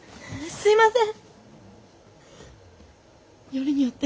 すいません